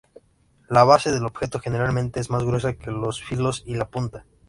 La base del objeto generalmente es más gruesa que los filos y la punta.